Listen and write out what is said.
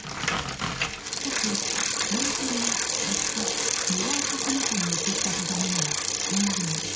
しかし友人の作家村岡花子に送った手紙にはこうあります。